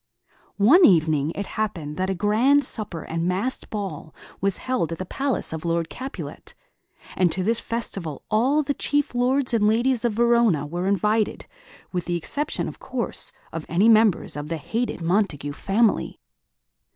One evening it happened that a grand supper and masked ball was held at the palace of Lord Capulet; and to this festival all the chief lords and ladies of Verona were invited, with the exception, of course, of any members of the hated Montague family.